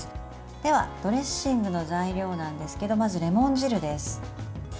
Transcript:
では、ドレッシングの材料なんですけどまずレモン汁です。